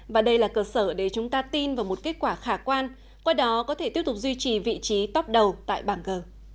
và đây là cơ sở để chúng ta tin vào một kết quả khả quan qua đó có thể tiếp tục duy trì vị trí top đầu tại bảng g